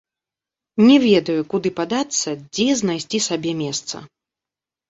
Не ведаю, куды падацца, дзе знайсці сабе месца.